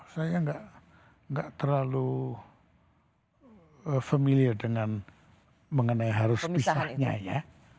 saya nggak terlalu familiar dengan mengenai harus pisahnya ya